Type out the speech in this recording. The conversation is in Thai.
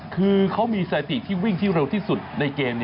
คือเขามีสถิติที่วิ่งที่เร็วที่สุดในเกม